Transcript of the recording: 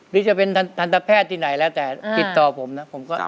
หรือจะเป็นทันตแพทย์ที่ไหนแล้วแต่ติดต่อผมนะผมก็